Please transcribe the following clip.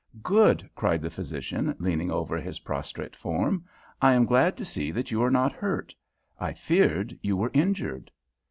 "Good!" cried the physician, leaning over his prostrate form. "I am glad to see that you are not hurt. I feared you were injured."